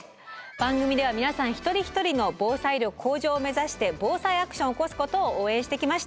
番組では皆さん一人一人の防災力向上を目指して「ＢＯＳＡＩアクション」を起こすことを応援してきました。